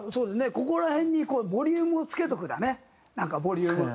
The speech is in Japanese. ここら辺にボリュームをつけておくだねなんかボリューム。